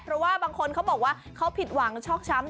เพราะว่าบางคนเขาบอกว่าเขาผิดหวังชอกช้ำ